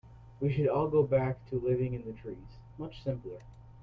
We should all go back to living in the trees, much simpler.